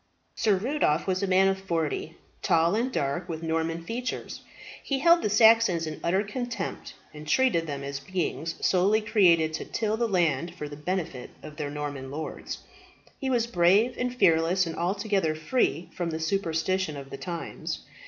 Sir Rudolph was a man of forty, tall and dark, with Norman features. He held the Saxons in utter contempt, and treated them as beings solely created to till the land for the benefit of their Norman lords. He was brave and fearless, and altogether free from the superstition of the times.